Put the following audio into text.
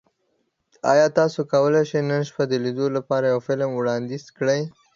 ایا تاسو کولی شئ نن شپه د لیدو لپاره یو فلم وړاندیز کړئ؟